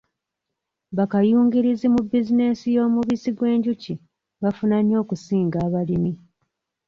Bakayungirizi mu bizinensi y'omubisi gw'enjuki bafuna nnyo okusinga abalimi.